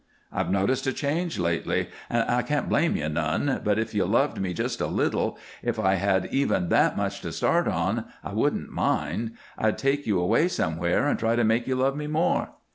"I've noticed a change, lately, and I can't blame you none, but if you loved me just a little, if I had even that much to start on, I wouldn't mind. I'd take you away somewhere and try to make you love me more."